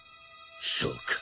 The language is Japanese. そうか。